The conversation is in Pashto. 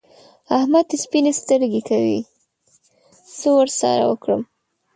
احمد سپين سترګي کوي؛ څه ور سره وکړم؟!